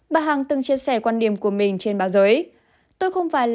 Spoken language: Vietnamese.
bà hằng từng chia sẻ quan điểm của mình trên báo giới